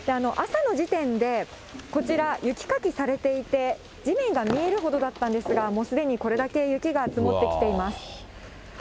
朝の時点で、こちら、雪かきされていて、地面が見えるほどだったんですが、もうすでにこれだけ雪が積もってきています。